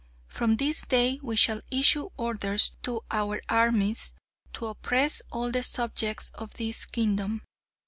From this day we shall issue orders to our armies to oppress all the subjects of this kingdom.